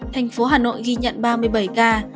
thành phố hà nội ghi nhận ba mươi bảy ca